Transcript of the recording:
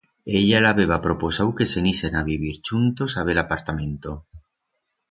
Ella l'habeba proposau que se'n isen a vivir chuntos a bell apartamento.